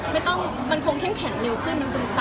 มันคงแข็งแข็งเร็วขึ้นมันคงตัดชุบได้เลยอย่างนี้ค่ะ